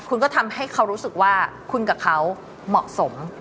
คุณก็ทำให้เขารู้สึกว่าคุณกับเขาเหมาะสม